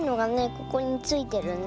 ここについてるね。